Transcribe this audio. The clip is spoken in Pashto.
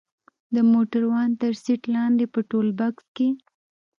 د موټروان تر سيټ لاندې په ټولبکس کښې.